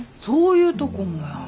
そういうとこもや。